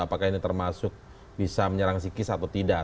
apakah ini termasuk bisa menyerang psikis atau tidak